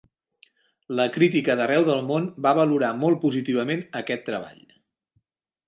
La crítica d'arreu del món va valorar molt positivament aquest treball.